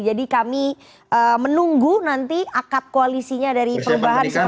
jadi kami menunggu nanti akad koalisinya dari perubahan seperti apa